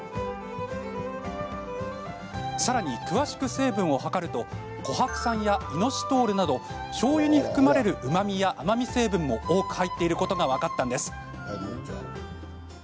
さらに、詳しく成分を測るとコハク酸やイノシトールなどしょうゆに含まれるうまみや甘み成分も多く入っていることが分かったのです。